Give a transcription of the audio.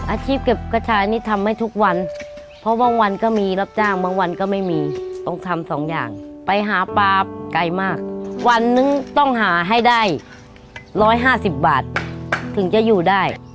อาชีพเก็บกระชายนี่ทำให้ทุกวันเพราะบางวันก็มีรับจ้างบางวันก็ไม่มีต้องทำสองอย่างไปหาปลาไกลมากวันนึงต้องหาให้ได้๑๕๐บาทถึงจะอยู่ได้